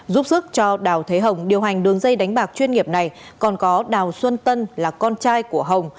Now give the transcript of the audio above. giúp sức cho đào thế hồng điều hành đường dây đánh bạc chuyên nghiệp này còn có đào xuân tân là con trai của hồng